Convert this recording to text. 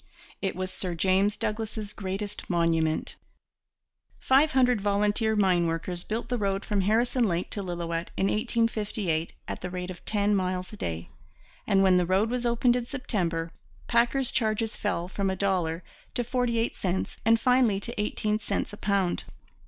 It was Sir James Douglas's greatest monument. Five hundred volunteer mine workers built the road from Harrison Lake to Lillooet in 1858 at the rate of ten miles a day; and when the road was opened in September, packers' charges fell from a dollar to forty eight cents and finally to eighteen cents a pound.